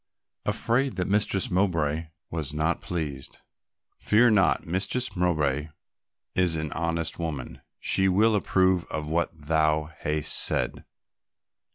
"Afraid that Mistress Mowbray was not pleased." "Fear not, Mistress Mowbray is an honest woman, she will approve of what thou hast said."